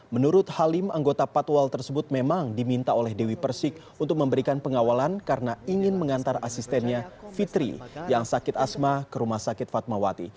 menurut halim anggota patwal tersebut memang diminta oleh dewi persik untuk memberikan pengawalan karena ingin mengantar asistennya fitri yang sakit asma ke rumah sakit fatmawati